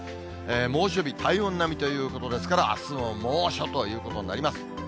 猛暑日、体温並みということですから、あすも猛暑ということになります。